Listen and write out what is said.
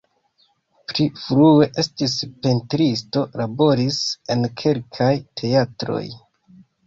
Pli frue estis pentristo, laboris en kelkaj teatroj.